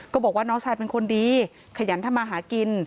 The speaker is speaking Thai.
บอกว่าน้องชายเป็นคนดีขยันทำมาหากิน